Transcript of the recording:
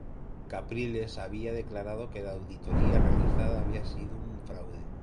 Capriles había declarado que la auditoría realizada había sido un fraude.